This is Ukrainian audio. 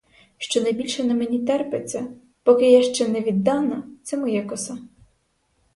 Що найбільше на мені терпиться, поки я ще не віддана, це моя коса.